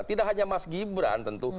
tidak hanya mas gibran tentu